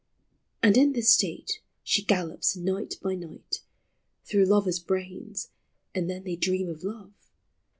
And in this state she gallops night by night Through lovers' brains, and then they dream of love ; 13 14 POEMS OF FAXCY.